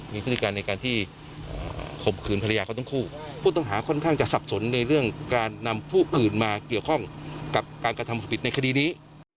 มีพฤติการในการที่ข่มขืนภรรยาเขาทั้งคู่ผู้ต้องหาค่อนข้างจะสับสนในเรื่องการนำผู้อื่นมาเกี่ยวข้องกับการกระทำความผิดในคดีนี้